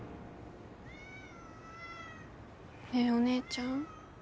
ねえお姉ちゃん。